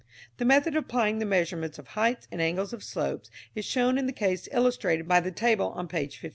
The method of applying the measurements of heights and angles of slope is shown in the case illustrated by the table on page 15.